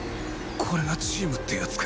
これがチームってやつか